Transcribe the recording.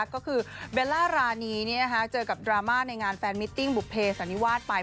ก็คือเบลล่ารานีเจอกับดราม่าในงานแฟนมิตติ้งบุภเพสันนิวาสไป